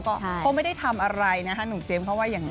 เขาไม่ได้ทำอะไรนะครับหนูเจมส์เขาว่าอย่างไร